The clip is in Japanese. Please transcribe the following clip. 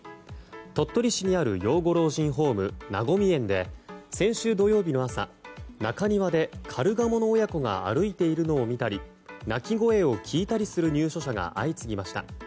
鳥取市にある養護老人ホームなごみ苑で先週土曜日の朝、中庭でカルガモの親子が歩いているのを見たり鳴き声を聞いたりする入所者が相次ぎました。